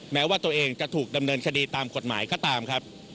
แม้ว่าตัวเองจะถูกดำเนินคดีตามกฎหมายก็ตามครับ